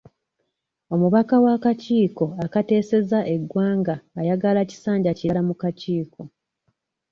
Omubaka w'akakiiko akateeseza eggwanga ayagala kisanja kirala mu kakiiko.